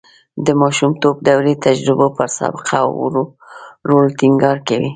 د ماشومتوب دورې تجربو پر سابقه او رول ټینګار کوي